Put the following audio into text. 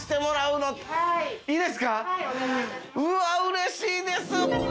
うわっうれしいです。